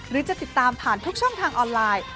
หรือจะติดตามผ่านทุกช่องทางออนไลน์